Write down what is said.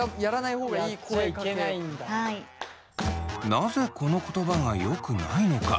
なぜこの言葉がよくないのか。